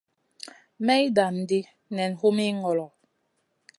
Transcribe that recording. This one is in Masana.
May dan ɗi nen humi ŋolo.